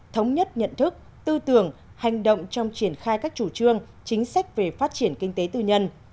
thống nhất nhận thức tư tưởng hành động trong triển khai các chủ trương chính sách về phát triển kinh tế tư nhân